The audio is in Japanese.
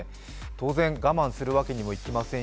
当然、我慢するわけにもいきません